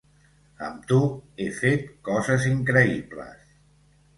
Amb tu he fet coses increïbles.